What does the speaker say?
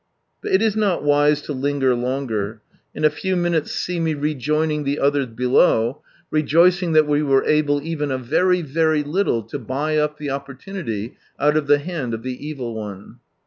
But it is not wise to linger longer. And a few minutes see me rejoining the others below, rejoicing that we were able even a very, very little, to "buy up the opportunity out of the hand of the evil one."